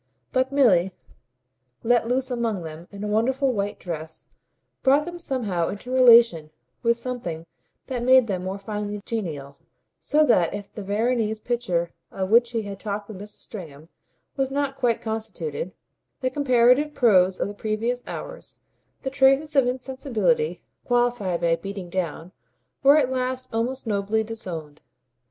But Milly, let loose among them in a wonderful white dress, brought them somehow into relation with something that made them more finely genial; so that if the Veronese picture of which he had talked with Mrs. Stringham was not quite constituted, the comparative prose of the previous hours, the traces of insensibility qualified by "beating down," were at last almost nobly disowned.